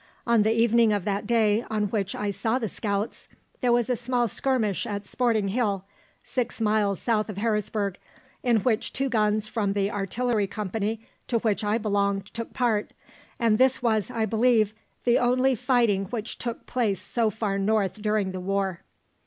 On the evening of that day on which I saw the scouts, there was a small skirmish at Sporting Hill, six miles south of Harrisburg, in which two guns from the artillery company to which I belonged took part, and this was, I believe, the only fighting which took place so far north during the war.